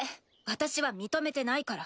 私は認めてないから。